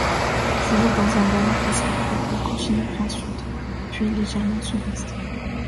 Toujours dans un vallon escarpé, elle continue plein sud, puis légèrement sud-est.